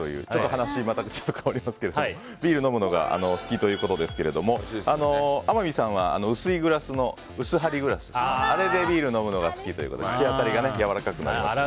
話がまた変わりますけどビールを飲むのが好きということですけど天海さんは、薄いグラスのうすはりグラスでビール飲むのが好きということで、口当たりがやわらかくなりますから。